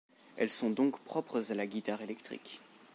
Elles sont donc propres à la guitare électrique.